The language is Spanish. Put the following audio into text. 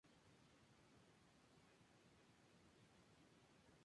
La especie está al borde de la extinción como consecuencia del cambio climático global.